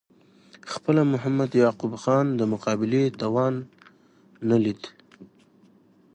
خپله محمد یعقوب خان د مقابلې توان نه لید.